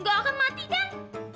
gak akan mati kan